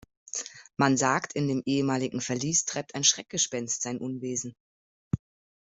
Man sagt, in dem ehemaligen Verlies treibt ein Schreckgespenst sein Unwesen.